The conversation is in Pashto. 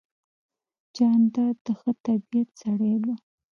جانداد د ښه طبیعت سړی دی.